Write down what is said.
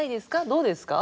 どうですか？